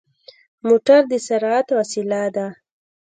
موټر د سرعت وسيله ده.